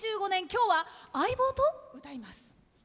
今日は相棒と歌います。